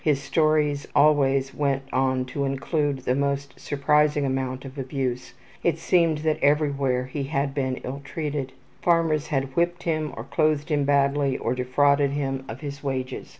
His stories always went on to include the most surprising amount of abuse. It seemed that everywhere he had been illtreated. Farmers had whipped him, or clothed him badly, or defrauded him of his wages.